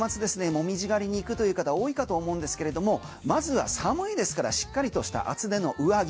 モミジ狩りに行くという方多いかと思うんですけれどもまずは寒いですからしっかりとした厚手の上着